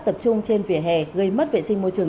tập trung trên vỉa hè gây mất vệ sinh môi trường